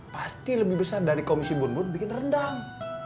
pasti lebih besar dari komisi bun bun bikin rendang